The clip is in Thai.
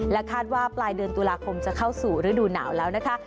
คาดว่าปลายเดือนตุลาคมจะเข้าสู่ฤดูหนาวแล้วนะคะ